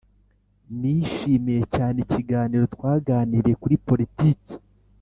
nishimiye cyane ikiganiro twaganiriye kuri politiki.